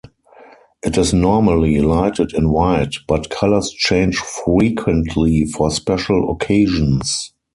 It is normally lighted in white, but colors change frequently for special occasions.